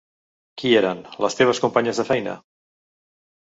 Qui eren, les teves companyes de feina?